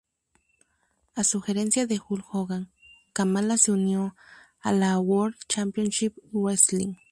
A sugerencia de Hulk Hogan, Kamala se unió a la World Championship Wrestling.